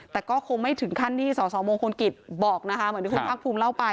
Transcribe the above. แต่ก็คงไม่ถึงขั้นที่สสมงคลกิจบอกนะคะเหมือนที่คุณภาคภูมิเล่าไป